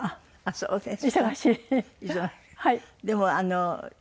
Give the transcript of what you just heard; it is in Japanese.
そうですね。